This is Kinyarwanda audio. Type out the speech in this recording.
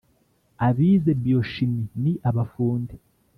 abize biochimie ni abafundi